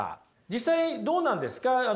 実際どうなんですか？